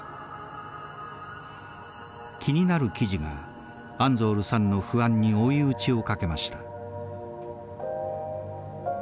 気になる記事がアンゾールさんの不安に追い打ちをかけました。